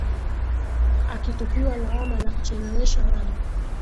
akitupiwa lawama la kuchelewesha mambo